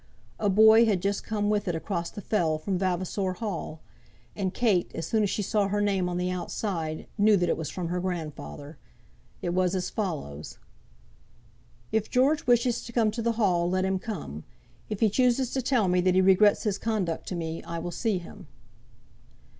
A boy had just come with it across the fell from Vavasor Hall, and Kate, as soon as she saw her name on the outside, knew that it was from her grandfather. It was as follows: "If George wishes to come to the Hall, let him come. If he chooses to tell me that he regrets his conduct to me, I will see him."